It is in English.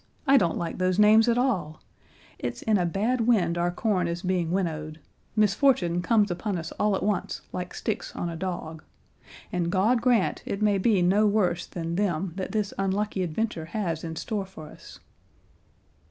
I don't like those names at all; 'it's in a bad wind our corn is being winnowed;' 'misfortune comes upon us all at once like sticks on a dog,' and God grant it may be no worse than them that this unlucky adventure has in store for us."